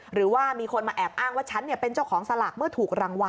หรือว่ามีคนมาแอบอ้างว่าฉันเป็นเจ้าของสลากเมื่อถูกรางวัล